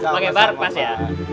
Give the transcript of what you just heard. pake bar pas ya